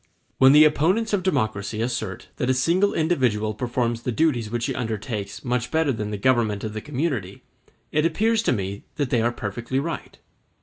When the opponents of democracy assert that a single individual performs the duties which he undertakes much better than the government of the community, it appears to me that they are perfectly right.